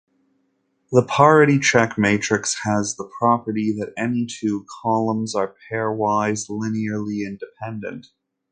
The parity-check matrix has the property that any two columns are pairwise linearly independent.